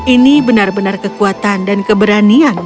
ini benar benar kekuatan dan keberanian